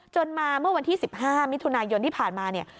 มาเมื่อวันที่๑๕มิถุนายนที่ผ่านมาเนี่ย